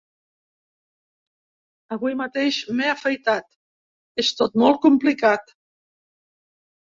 Avui mateix m’he afaitat… És tot molt complicat.